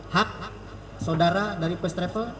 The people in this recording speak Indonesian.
hak saudara dari first travel